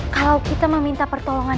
kalau kita meminta pertolongan